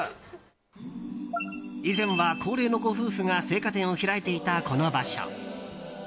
以前は高齢のご夫婦が青果店を開いていた、この場所。